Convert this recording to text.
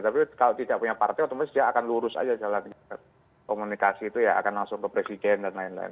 tapi kalau tidak punya partai otomatis dia akan lurus aja jalannya komunikasi itu ya akan langsung ke presiden dan lain lain